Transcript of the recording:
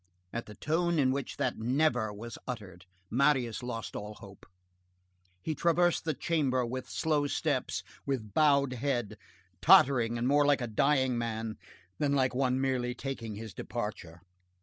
At the tone in which that "never" was uttered, Marius lost all hope. He traversed the chamber with slow steps, with bowed head, tottering and more like a dying man than like one merely taking his departure.